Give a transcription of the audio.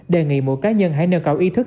đề nghị mỗi cá nhân hãy nêu cầu ý thức